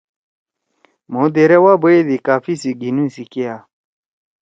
مھو دیرے وا بیَدی کافی سی گھیِنُو سی کیا۔